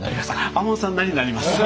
亞門さんなりになります！